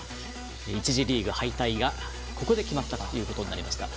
１次リーグ敗退がここで決まったということになりました。